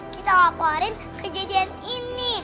kita laporin kejadian ini